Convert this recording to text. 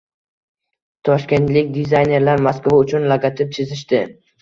Toshkentlik dizaynerlar Moskva uchun logotip chizishdi